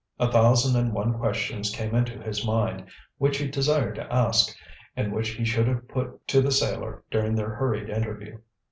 A thousand and one questions came into his mind, which he desired to ask, and which he should have put to the sailor during their hurried interview.